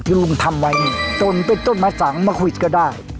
ที่ลุงทำไว้จนเป็นต้นไม้สังเมืองคิดก็ได้